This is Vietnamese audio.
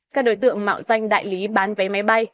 các đối tượng mạo danh đại lý bán vé máy bay